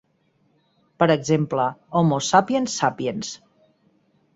Per exemple: "Homo sapiens sapiens".